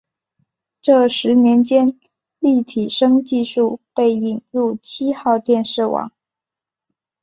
这十年间立体声技术被引入七号电视网。